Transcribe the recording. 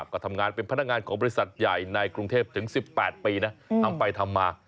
ก็ทำงานเป็นพนักงานของบริษัทใหญ่ในกรุงเทพถึง๑๘ปีนะทำไปทำมา